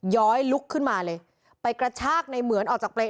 ย้อยลุกขึ้นมาเลยไปกระชากในเหมือนออกจากเปรย